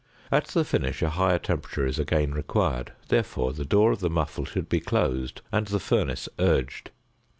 At the finish a higher temperature is again required: therefore the door of the muffle should be closed and the furnace urged.